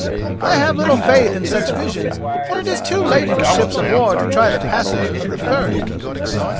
"I have little faith in such visions, and it is too late for ships of war to try the passage of the Firth."